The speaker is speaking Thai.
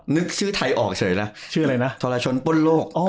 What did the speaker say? นึกชื่อไทยออกเสร็จแล้วชื่ออะไรนะโทรชนป้นโลกอ๋อ